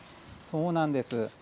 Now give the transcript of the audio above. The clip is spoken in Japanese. そうなんです。